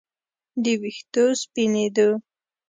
د ویښتو سپینېدو